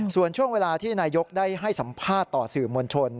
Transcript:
ส่วนช่วงเวลาที่นายกได้ให้สัมภาษณ์ต่อสื่อมวลชน